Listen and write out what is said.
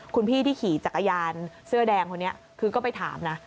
คุณพี่ที่ขี่จักรยานเสื้อแดงคนนี้คือก็ไปถามนะ